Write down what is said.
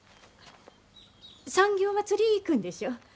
産業まつり行くんでしょ。